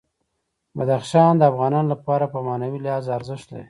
بدخشان د افغانانو لپاره په معنوي لحاظ ارزښت لري.